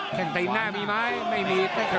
แข้งตีนหน้ามีมั้ยไม่มีแข้งขวา